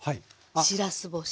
しらす干し。